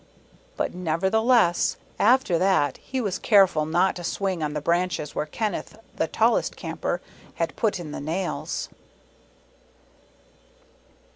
But nevertheless, after that he was careful not to swing on the branches where Kenneth the tallest Camper had put in the nails.